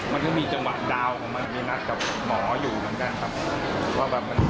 มันก็มีจังหวะดาวน์ของมันมีนัดกับหมออยู่เหมือนกันครับว่าแบบ